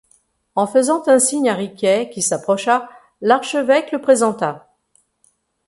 Et faisant un signe à Riquet qui s'approcha, l'archevêque le présenta.